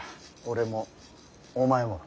俺もお前も。